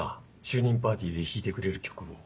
就任パーティーで弾いてくれる曲を。